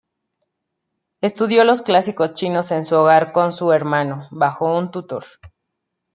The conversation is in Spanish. Estudió los clásicos chinos en su hogar con su hermano, bajo un tutor.